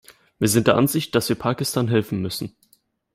Wir sind der Ansicht, dass wir Pakistan helfen müssen.